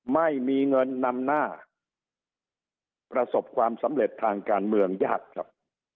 ไม่มีเงินนำหน้าประสบความสำเร็จทางการเมืองยากครับ